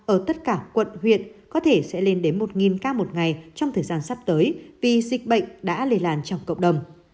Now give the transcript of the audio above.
ở tất cả quận huyện có thể sẽ lên đến một ca một ngày trong thời gian sắp tới vì dịch bệnh đã lây lan trong cộng đồng